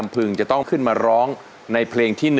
เป็นกายไม้พอ